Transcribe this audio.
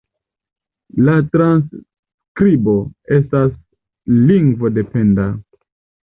La transskribo estas lingvo-dependa.